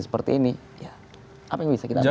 seperti ini ya apa yang bisa kita lakukan